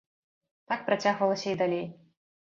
Так працягвалася і далей.